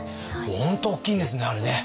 本当大きいんですねあれね。